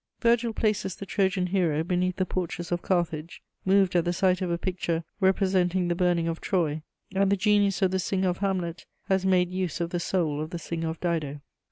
Virgil places the Trojan hero beneath the Porches of Carthage, moved at the sight of a picture representing the burning of Troy, and the genius of the singer of Hamlet has made use of the soul of the singer of Dido.